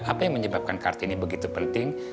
apa yang menyebabkan kartini begitu penting